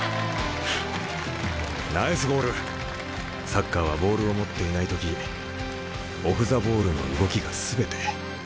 サッカーはボールを持っていない時オフ・ザ・ボールの動きが全て。